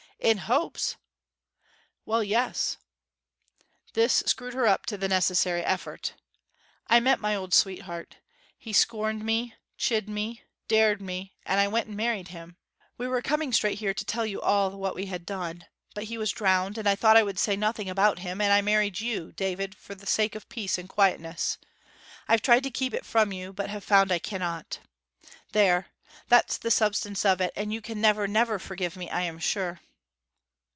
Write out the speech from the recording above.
'In hopes!' 'Well, yes.' This screwed her up to the necessary effort. 'I met my old sweetheart. He scorned me, chid me, dared me, and I went and married him. We were coming straight here to tell you all what we had done; but he was drowned; and I thought I would say nothing about him: and I married you, David, for the sake of peace and quietness. I've tried to keep it from you, but have found I cannot. There that's the substance of it, and you can never, never forgive me, I am sure!'